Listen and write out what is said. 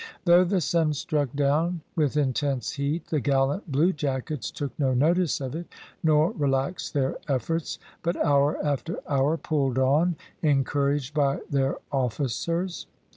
Though the sun struck down with intense heat, the gallant bluejackets took no notice of it, nor relaxed their efforts, but hour after hour pulled on, encouraged by their officers.